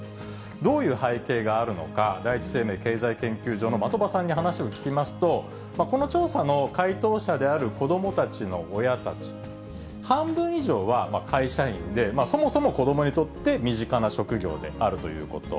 どういう背景があるのか、第一生命経済研究所の的場さんに話を聞きますと、この調査の回答者である子どもたちの親たち、半分以上は会社員で、そもそも子どもにとって身近な職業であるということ。